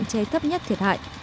chế thấp nhất thiệt hại